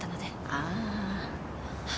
ああ。